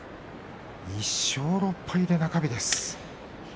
１勝６敗で中日です。